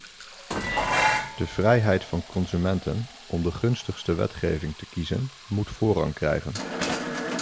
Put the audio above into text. De vrijheid van consumenten om de gunstigste wetgeving te kiezen moet voorrang krijgen.